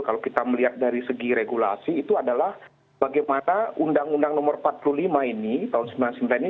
kalau kita melihat dari segi regulasi itu adalah bagaimana undang undang nomor empat puluh lima ini tahun seribu sembilan ratus sembilan puluh sembilan ini